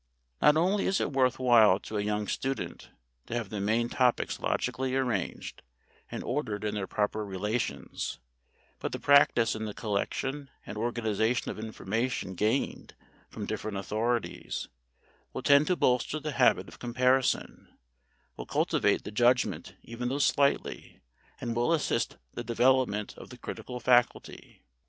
Not only is it worth while to a young student to have the main topics logically arranged, and ordered in their proper relations, but the practice in the collection and organization of information gained from different authorities will tend to foster the habit of comparison, will cultivate the judgment even though slightly, and will assist the development of the critical faculty.